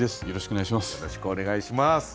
よろしくお願いします。